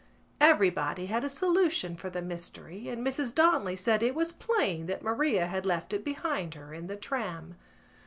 Everybody had a solution for the mystery and Mrs Donnelly said it was plain that Maria had left it behind her in the tram.